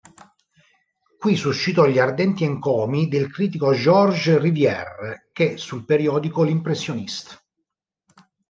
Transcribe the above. Qui suscitò gli ardenti encomi del critico Georges Riviere, che sul periodico "L'Impressionniste.